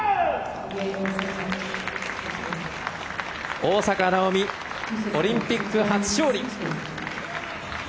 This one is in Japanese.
大坂なおみオリンピック初勝利！